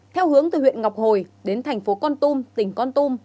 theo hướng từ huyện ngọc hồi đến thành phố con tum tỉnh con tum